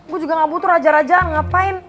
gue juga gak butuh raja raja ngapain